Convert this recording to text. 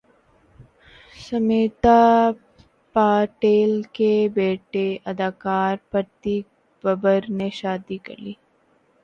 سمیتا پاٹیل کے بیٹے اداکار پرتیک ببر نے شادی کرلی